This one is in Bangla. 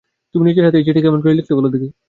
তুমি নিজের হাতে এই চিঠি কেমন করে লিখলে বল দেখি।